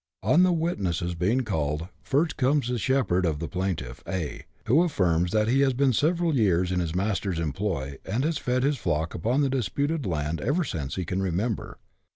On the witnesses being called, first comes the shepherd of the plaintiff A., who affirms that he has been several years in his master's employ, and has fed his flock upon the disputed land ever since he can remember.